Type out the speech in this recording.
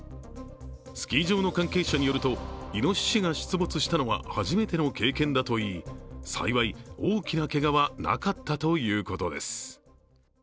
スキー場の関係者によるといのししが出没したのは初めての経験だといい幸い、大きなけがはなかったということです。